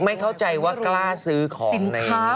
ไม่เข้าใจว่ากล้าซื้อของในนี้ได้ยังไง